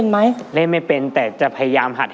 แล้ววันนี้ผมมีสิ่งหนึ่งนะครับเป็นตัวแทนกำลังใจจากผมเล็กน้อยครับ